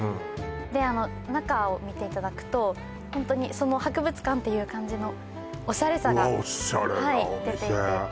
であの中を見ていただくとホントにその博物館っていう感じのオシャレさがはい出ていてうわ